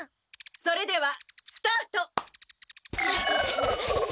それではスタート！